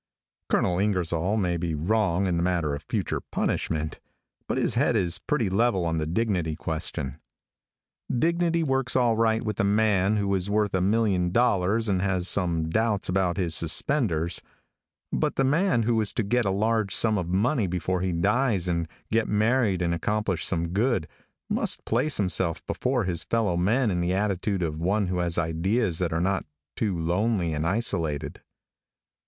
Colonel Ingersoll may be wrong in the matter of future punishment, but his head is pretty level on the dignity question. Dignity works all right with a man who is worth a million dollars and has some doubts about his suspenders; but the man who is to get a large sum of money before he dies, and get married and accomplish some good, must place himself before his fellow men in the attitude of one who has ideas that are not too lonely and isolated.